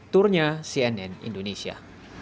turnya cnn indonesia